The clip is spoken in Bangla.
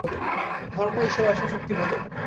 ধর্ম ও ঈশ্বর অসীম শক্তিপ্রদ।